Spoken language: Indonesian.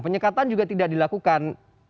penyekatan juga tidak dilakukan